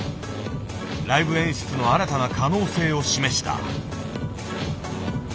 ライブ演出の新たな可能性を示した。